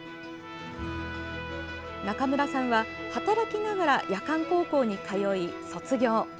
中村さんは働きながら夜間高校に通い、卒業。